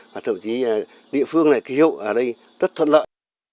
và thậm chí địa phương này cây hậu ở đây rất thuận lợi